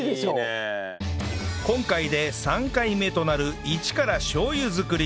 今回で３回目となるイチからしょう油作り